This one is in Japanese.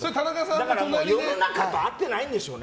だから合ってないんでしょうね